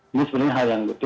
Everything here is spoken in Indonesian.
ini sebenarnya hal yang betul